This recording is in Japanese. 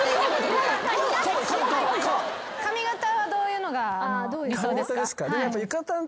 どういうのが理想ですか？